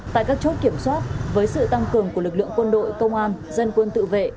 tại các chốt kiểm soát với sự tăng cường của lực lượng quân đội công an dân quân tự vệ